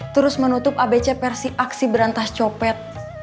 terus menutup abc versi aksi berantas copet